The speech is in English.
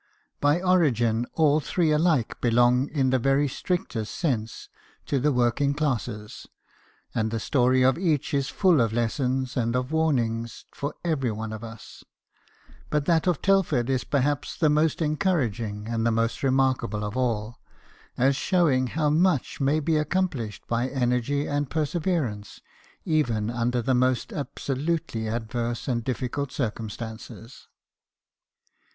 By origin, all three alike belonged in the very strictest sense to the working classes ; and the story of each is full of lessons or of warnings for every one of us : but that of Telford is perhaps the most encouraging and the most remarkable of all, as showing how much may be accomplished by energy and perseverance, even under the most absolutely adverse and difficult circumstances.